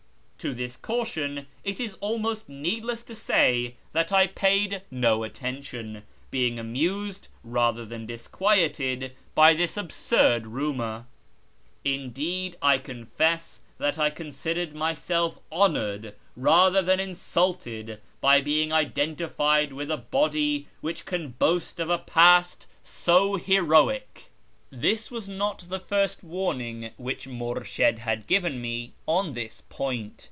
To this caution it is almost needless to say that I paid no attention, being amused rather than disquieted by this absurd rumour ; indeed, I con fess that I considered myself honoured rather than insulted by being identified with a body which can boast of a past so heroic. 272 A YEAR AMONGST THE PERSIANS This was not tlie first warning which Murshid had given me on this point.